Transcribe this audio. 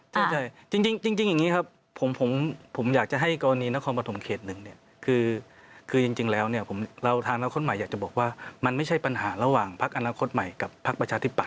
ใช่จริงอย่างนี้ครับผมอยากจะให้กรณีนครปฐมเขตหนึ่งเนี่ยคือจริงแล้วเนี่ยเราทางอนาคตใหม่อยากจะบอกว่ามันไม่ใช่ปัญหาระหว่างพักอนาคตใหม่กับพักประชาธิปัต